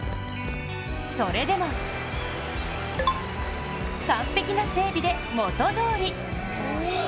それでも、完璧な整備で元どおり。